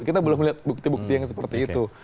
kita belum melihat bukti bukti yang seperti itu